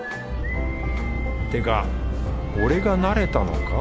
てか俺が慣れたのか？